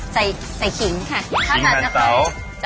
ใส่ขิงค่ะขิงมันเตา